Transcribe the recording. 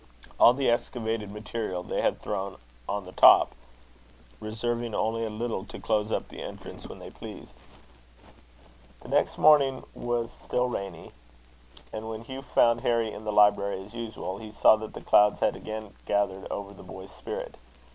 All the excavated material they had thrown on the top, reserving only a little to close up the entrance when they pleased. The next morning was still rainy; and when Hugh found Harry in the library as usual, he saw that the clouds had again gathered over the boy's spirit.